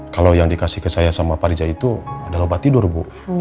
kalau yang dikasih ke saya sama pak rija itu adalah obat tidur bu